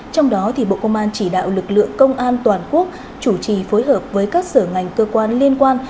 trong đó bộ công an chỉ đạo lực lượng công an toàn quốc chủ trì phối hợp với các sở ngành cơ quan liên quan